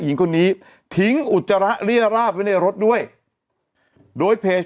หญิงคนนี้ทิ้งอุจจาระเรียราบไว้ในรถด้วยโดยเพจ